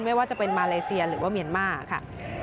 ไม่ว่าจะเป็นมาเลเซียหรือว่าเมียนมาร์ค่ะ